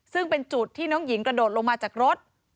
ซึ่งเป็นจุดที่น้องหญิงกระโดดลงมาจากรถ